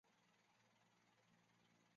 香港电视播放频道列表